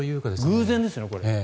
偶然ですよね、これ。